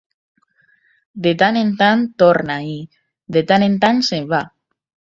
De tant en tant, torna i, de tant en tant, se'n va.